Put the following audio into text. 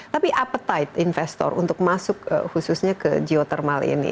tapi appetite investor untuk masuk khususnya ke geothermal ini